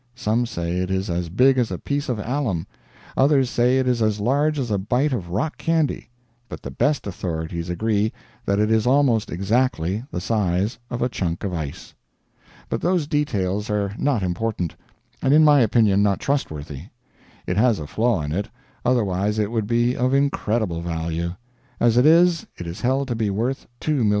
Some say it is as big as a piece of alum, others say it is as large as a bite of rock candy, but the best authorities agree that it is almost exactly the size of a chunk of ice. But those details are not important; and in my opinion not trustworthy. It has a flaw in it, otherwise it would be of incredible value. As it is, it is held to be worth $2,000,000.